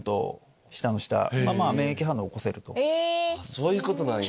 そういうことなんや。